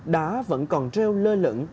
đá vẫn còn treo lơ lẫn